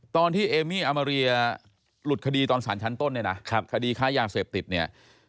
เอมี่อามาเรียหลุดคดีตอนสารชั้นต้นเนี่ยนะคดีค้ายาเสพติดเนี่ย